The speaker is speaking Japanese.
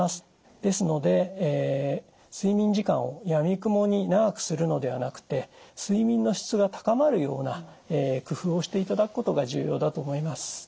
ですので睡眠時間をやみくもに長くするのではなくて睡眠の質が高まるような工夫をしていただくことが重要だと思います。